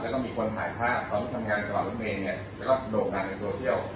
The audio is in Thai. และมีคนถ่ายภาพเราเอนกระเป๋าเทอร์เม้และเดินราคาในสโชเซียล